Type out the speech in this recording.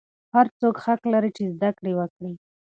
هر څوک حق لري چې زده کړې وکړي.